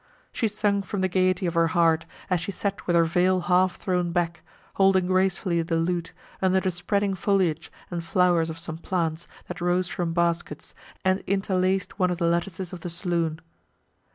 She sung from the gaiety of her heart, as she sat with her veil half thrown back, holding gracefully the lute, under the spreading foliage and flowers of some plants, that rose from baskets, and interlaced one of the lattices of the saloon.